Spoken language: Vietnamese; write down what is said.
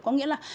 có nghĩa là